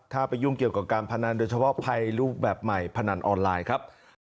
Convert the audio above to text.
ถ้าไปยุ่งเกี่ยวกับการพนันโดยเฉพาะภัยรูปแบบใหม่พนันออนไลน์ครับ